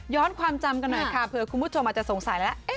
ความจำกันหน่อยค่ะเผื่อคุณผู้ชมอาจจะสงสัยแล้ว